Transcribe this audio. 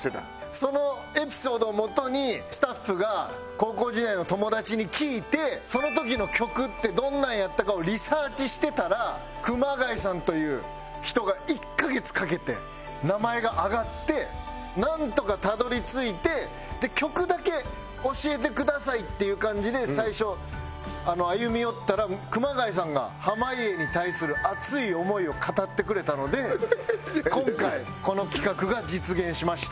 そのエピソードをもとにスタッフが高校時代の友達に聞いてその時の曲ってどんなんやったかをリサーチしてたら熊谷さんという人が１カ月かけて名前が挙がってなんとかたどり着いて「曲だけ教えてください」っていう感じで最初歩み寄ったら熊谷さんが濱家に対する熱い思いを語ってくれたので今回この企画が実現しました。